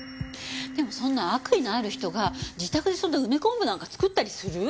でもそんな悪意のある人が自宅でそんな梅昆布なんか作ったりする？